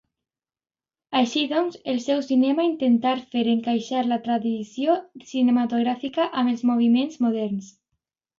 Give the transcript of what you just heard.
Així doncs, el seu cinema intentar fer encaixar la tradició cinematogràfica amb els moviments moderns.